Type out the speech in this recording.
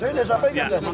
saya sudah sampaikan